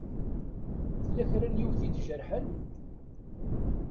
Tella kra n yiwet i d-ijerḥen?